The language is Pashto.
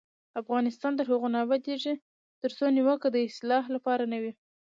افغانستان تر هغو نه ابادیږي، ترڅو نیوکه د اصلاح لپاره نه وي.